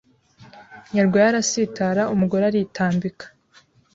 Nyarwaya arasitara, umugore aritambika